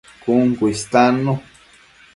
Cun cu istannu